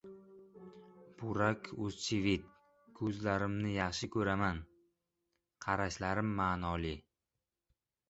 Burak Ozchivit: "Ko‘zlarimni yaxshi ko‘raman, qarashlarim ma’noli"